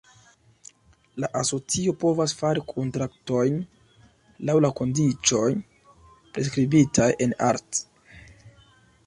La Asocio povas fari kontraktojn, laŭ la kondiĉoj priskribitaj en art.